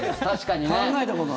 確かにね。